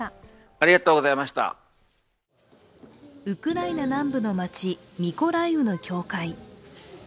ウクライナ南部の街ミコライウの教会。